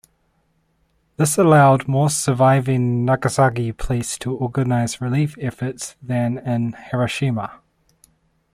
This allowed more surviving Nagasaki police to organize relief efforts than in Hiroshima.